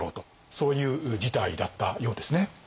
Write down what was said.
そういう事態だったようですね。